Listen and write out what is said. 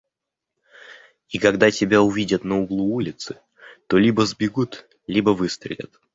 и когда тебя увидят на углу улицы, то либо сбегут, либо выстрелят.